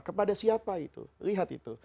kepada siapa itu lihat itu